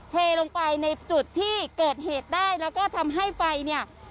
เทลงไปในจุดที่เกิดเหตุได้แล้วก็ทำให้ไฟเนี่ย